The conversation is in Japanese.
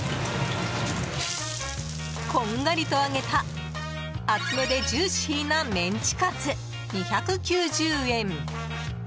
こんがりと揚げた厚めでジューシーなメンチカツ２９０円。